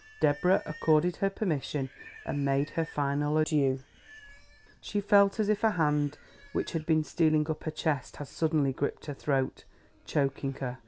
Deborah accorded her permission and made her final adieux. She felt as if a hand which had been stealing up her chest had suddenly gripped her throat, choking her.